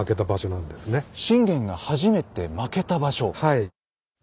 はい。